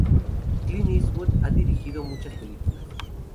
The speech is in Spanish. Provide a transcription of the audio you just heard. Clint Eastwood ha dirigido muchas películas.